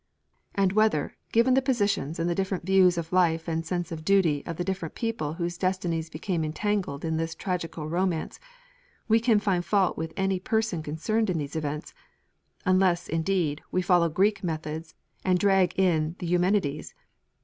And whether, given the positions and the different views of life and sense of duty of the different people whose destinies become entangled in this tragical romance, we can find fault with any person concerned in these events, unless, indeed, we follow Greek methods, and drag in the Eumenides?